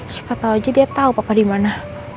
cepet aja dia tau papa di mana